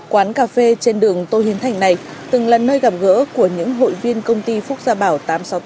quán cà phê trên đường tô hiến thành này từng là nơi gặp gỡ của những hội viên công ty phúc gia bảo tám trăm sáu mươi tám